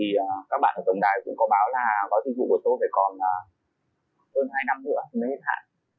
sau khi gọi lên tổng đài các bạn ở tổng đài cũng có báo là gói chữ của tôi phải còn hơn hai năm nữa mới hết hạn